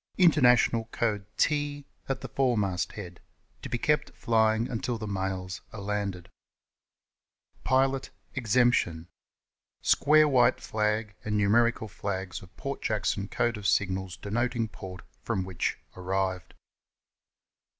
International code T at the foremast head; to be kept flying until the mails are landed. .. Square white flag and numerical flags of Port Jackson Code of signals denoting port from which arrived.